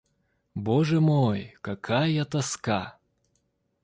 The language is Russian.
Боже мой, какая тоска!